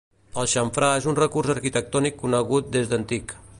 El xamfrà és un recurs arquitectònic conegut des d'antic.